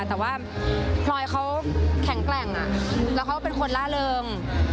แต่ว่าพลอยเขาแข็งแกร่งแล้วเขาเป็นคนล่าเริง